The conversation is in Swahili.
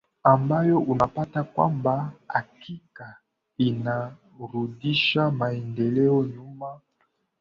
ambayo unapata kwamba hakika inarudisha maendeleo nyuma